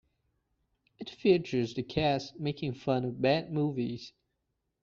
It features the cast making fun of bad movies.